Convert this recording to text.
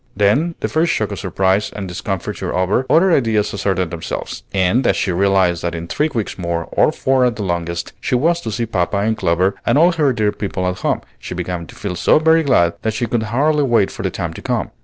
Then, the first shock of surprise and discomfiture over, other ideas asserted themselves; and as she realized that in three weeks more, or four at the longest, she was to see papa and Clover and all her dear people at home, she began to feel so very glad that she could hardly wait for the time to come.